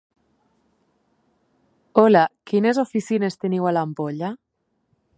Hola, quines oficines teniu a l'Ampolla?